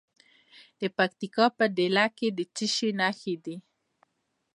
د پکتیکا په دیله کې د څه شي نښې دي؟